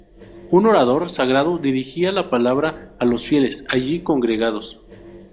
Un orador sagrado dirigía la palabra a los fieles allí congregados.